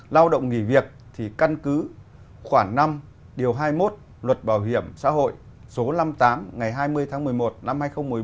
lao động nghỉ việc thì căn cứ khoảng năm điều hai mươi một luật bảo hiểm xã hội số năm mươi tám ngày hai mươi tháng một mươi một năm hai nghìn một mươi bốn